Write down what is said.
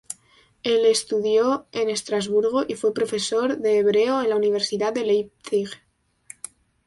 El estudió en Estrasburgo, y fue profesor de hebreo en la Universidad de Leipzig.